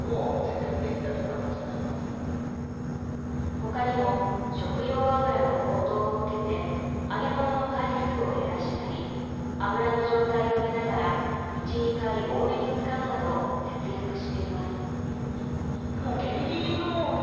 ほかにも食用油の高騰を受けて揚げ物の回数を減らしたり油の状態を見ながら１２回多めに使うなど節約しています。